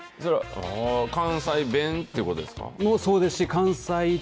関西弁ということですか。